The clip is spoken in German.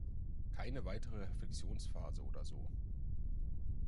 Keine weitere "Reflexionsphase" oder so.